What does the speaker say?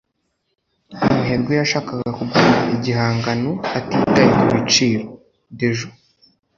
umuherwe yashakaga kugura igihangano atitaye kubiciro. (dejo